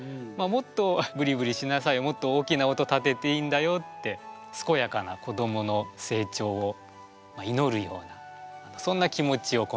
「もっとブリブリしなさいもっと大きな音立てていいんだよ」ってすこやかな子どもの成長をいのるようなそんな気持ちをこめてみました。